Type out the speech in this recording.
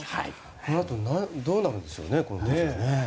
このあとどうなるんですかね。